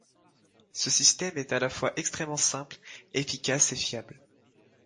Ce système est à la fois extrêmement simple, efficace et fiable.